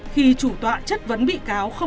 khi chủ tọa chất vấn bị cáo